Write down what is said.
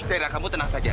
zairah kamu tenang saja